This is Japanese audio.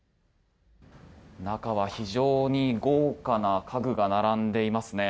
中は非常に豪華な家具が並んでいますね。